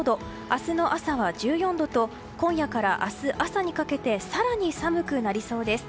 明日の朝は１４度と今夜から明日朝にかけて更に寒くなりそうです。